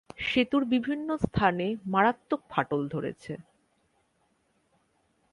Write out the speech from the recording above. সেতুর বিভিন্ন স্থানে মারাত্মক ফাটল ধরেছে।